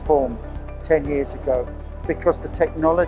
untuk membantu kita untuk segera pulih dari covid sembilan belas